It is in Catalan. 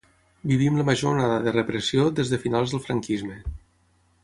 Vivim la major onada de repressió des de de finals del franquisme.